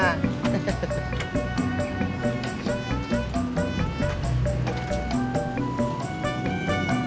balik ke rumah